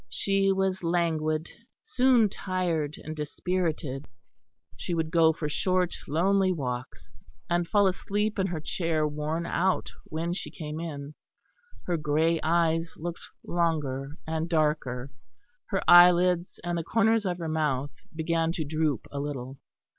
She was languid, soon tired and dispirited; she would go for short, lonely walks, and fall asleep in her chair worn out when she came in. Her grey eyes looked longer and darker; her eyelids and the corners of her mouth began to droop a little.